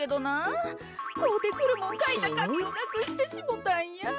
こうてくるもんかいたかみをなくしてしもたんや。